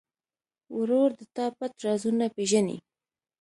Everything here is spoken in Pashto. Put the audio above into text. ورور د تا پټ رازونه پېژني.